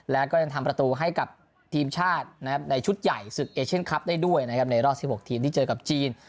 แล้วก็ยังทำประตูให้กับทีมชาติในชุดใหญ่ศึกเอเชียนคลับได้ด้วยนะครับในรอบ๑๖ทีมที่เจอกับจีน